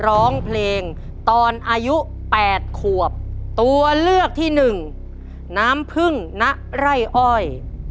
ร้องเพลงตอนอายุแปดขวบตัวเลือกที่หนึ่งน้ำพึ่งณไร่อ้อย